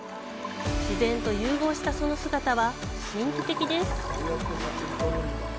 自然と融合したその姿は神秘的です。